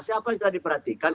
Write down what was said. siapa yang sudah diperhatikan